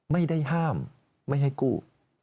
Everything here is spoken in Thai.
ไม่ได้ห้ามไม่ให้กู้